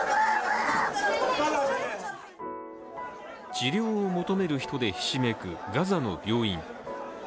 治療を求める人でひしめくガザの病院。